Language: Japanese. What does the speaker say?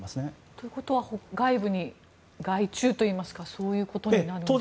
ということは外部に外注といいますかそういうことになるんですか。